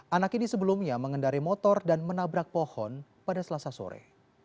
anak ini sebelumnya mengendari motor dan menabrak pohon pada selasa sore